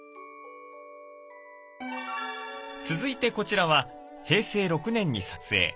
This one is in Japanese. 続いてこちらは平成６年に撮影。